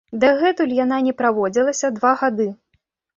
Дагэтуль яна на праводзілася два гады.